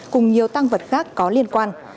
cùng nhiều tăng vật khác có liên quan